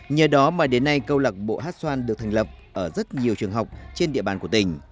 nhờ đó mà đến nay câu lạc bộ hát xoan được thành lập ở rất nhiều trường học trên địa bàn của tỉnh